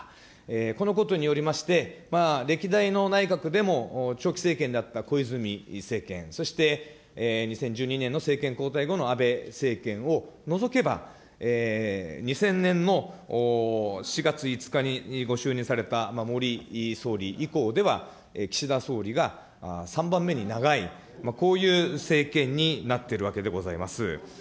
このことによりまして、歴代の内閣でも長期政権だった小泉政権、そして２０１２年の政権交代後の安倍政権を除けば、２０００年の４月５日にご就任された森総理以降では、岸田総理が３番目に長い、こういう政権になっているわけでございます。